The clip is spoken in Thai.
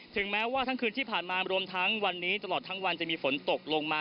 แม้ว่าทั้งคืนที่ผ่านมารวมทั้งวันนี้ตลอดทั้งวันจะมีฝนตกลงมา